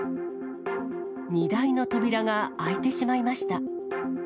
荷台の扉が開いてしまいました。